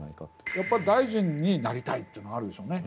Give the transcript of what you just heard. やっぱり大臣になりたいというのはあるでしょうね。